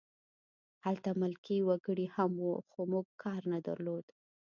هلته ملکي وګړي هم وو خو موږ کار نه درلود